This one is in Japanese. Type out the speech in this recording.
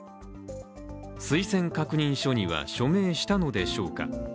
推薦確認書には署名したのでしょうか。